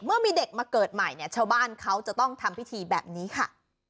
เมื่อมีเด็กมาเกิดใหม่เนี่ยชาวบ้านเขาจะต้องทำพิธีแบบนี้ค่ะ